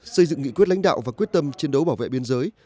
xây dựng nghị quyết lãnh đạo và quyết tâm chiến đấu bảo vệ biên giới